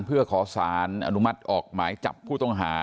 เพื่อขอสารอนุมัติออกหมายจับผู้ต้องหา